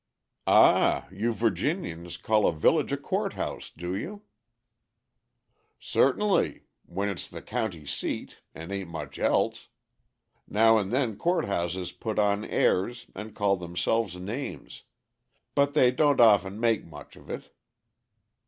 "Ah! you Virginians call a village a court house, do you?" "Certainly, when it's the county seat and a'n't much else. Now and then court houses put on airs and call themselves names, but they don't often make much of it.